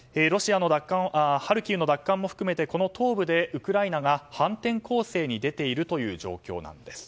ハルキウの奪還も含めてこの東部でウクライナが反転攻勢に出ているという状況です。